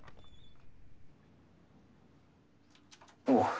おう。